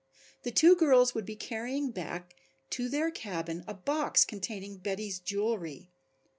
The two girls would be carrying back to their cabin a box containing Betty's jewelry.